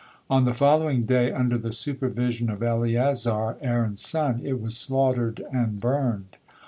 On the following day, under the supervision of Eleazar, Aaron's son, it was slaughtered and burned.